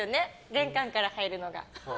玄関から入るのが。